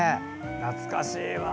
懐かしいわ。